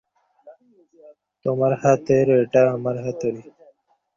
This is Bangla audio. তোমার হাতের এটা আমার হাতুড়ি।